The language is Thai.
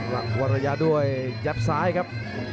ระยะด้วยยับซ้ายครับ